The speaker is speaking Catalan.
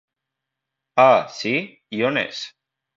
Ah, sí? I on és?